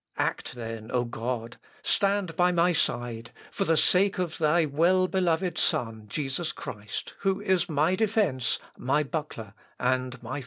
Act, then, O God!... Stand by my side, for the sake of thy well beloved Son Jesus Christ, who is my defence, my buckler, and my fortress."